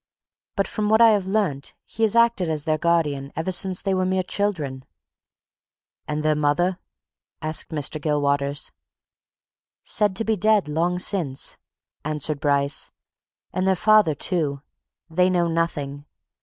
But from what I have learnt, he has acted as their guardian ever since they were mere children." "And their mother?" asked Mr. Gilwaters. "Said to be dead long since," answered Bryce. "And their father, too. They know nothing.